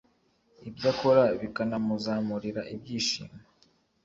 ibyo akora bikanamuzanira ibyishimo,